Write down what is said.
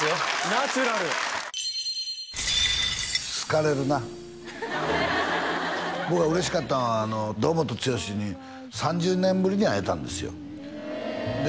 ナチュラル好かれるな僕は嬉しかったんは堂本剛に３０年ぶりに会えたんですよで